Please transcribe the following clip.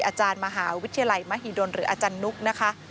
อาจารย์มหาวิทยาลัยมหิดลหรืออาจารย์นุ๊กนะคะ